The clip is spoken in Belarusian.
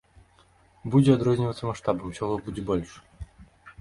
Будзе адрознівацца маштабам, усяго будзе больш.